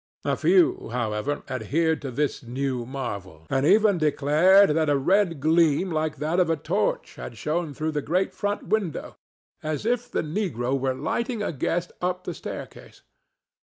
A few, however, adhered to this new marvel, and even declared that a red gleam like that of a torch had shone through the great front window, as if the negro were lighting a guest up the staircase.